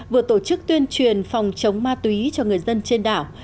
vừa tổ chức tuyên truyền phòng chống ma túy cho người dân trên đảo